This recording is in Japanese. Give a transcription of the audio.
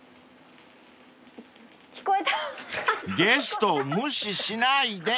［ゲストを無視しないで！］